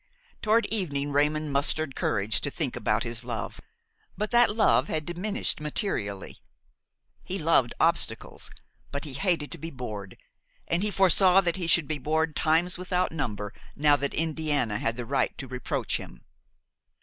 Toward evening Raymon mustered courage to think about his love; but that love had diminished materially. He loved obstacles; but he hated to be bored and he foresaw that he should be bored times without number now that Indiana had the right to reproach him.